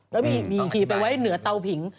แล้วมีอีกทีไปไว้เหนือเตาผิง